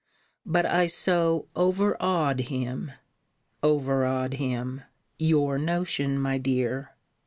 But I so over awed him! [over awed him! Your* notion, my dear!